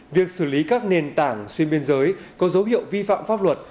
việc xử lý các nền tảng xuyên biên giới có dấu hiệu vi phạm pháp luật